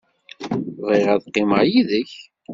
Bɣiɣ ad qqimeɣ yid-k.